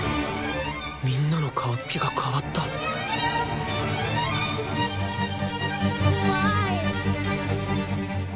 みんなの顔つきが変わった怖い。